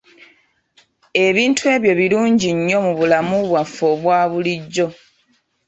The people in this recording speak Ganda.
Ebintu ebyo birungi nnyo mu bulamu bwaffe obwa bulijjo.